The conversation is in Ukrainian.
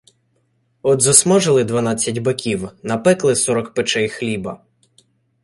От засмажили дванадцять биків, напекли сорок печей хліба.